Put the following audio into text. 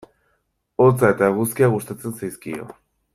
Hotza eta eguzkia gustatzen zaizkio.